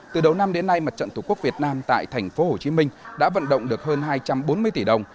từ đầu năm đến nay mặt trận tổ quốc việt nam tại tp hcm đã vận động được hơn hai trăm bốn mươi tỷ đồng